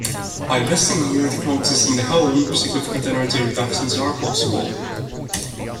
By investing in newer technologies in the home, significant energy reductions are possible.